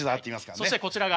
そしてこちらが。